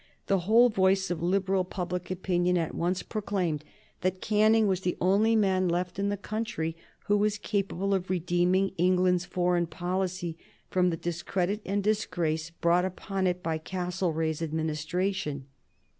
The whole voice of Liberal public opinion at once proclaimed that Canning was the only man left in the country who was capable of redeeming England's foreign policy from the discredit and disgrace brought upon it by Castlereagh's Administration.